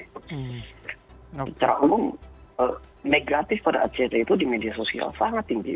secara umum negatif pada act itu di media sosial sangat tinggi